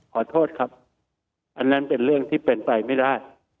ขอโทษครับอันนั้นเป็นเรื่องที่เป็นไปไม่ได้